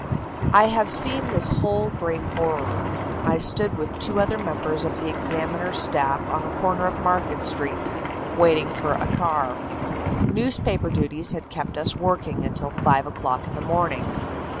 "I have seen this whole, great horror. I stood with two other members of the Examiner staff on the corner of Market Street, waiting for a car. Newspaper duties had kept us working until five o'clock in the morning.